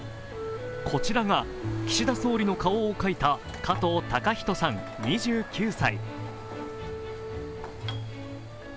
こちらが岸田総理の顔を描いた加藤貴仁さん２８歳。